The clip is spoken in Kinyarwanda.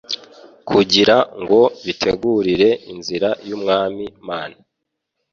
kugira ngo bitegurire inzira y'Umwami Imana,